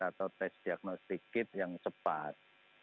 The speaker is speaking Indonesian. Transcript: atau tes diagnostik kit yang cepat